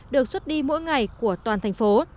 được xuất đi mỗi ngày của toàn thành phố